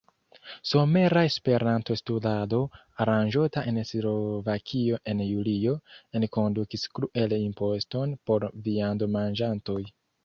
Somera Esperanto-Studado, aranĝota en Slovakio en julio, enkondukis "kruel-imposton" por viandomanĝantoj.